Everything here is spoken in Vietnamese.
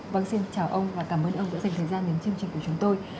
vâng xin chào ông và cảm ơn ông đã dành thời gian đến chương trình của chúng tôi